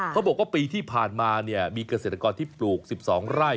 เขาบอกว่าปีที่ผ่านมาเนี่ยมีเกษตรกรที่ปลูก๑๒ไร่